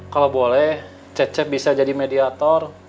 kalau boleh cecep bisa jadi mediator